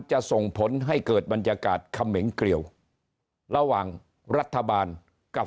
จะส่งผลให้เกิดบรรยากาศเขมงเกลียวระหว่างรัฐบาลกับ